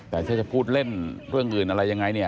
แต่ถ้าจะพูดเล่นเรื่องอื่นอะไรยังไงเนี่ย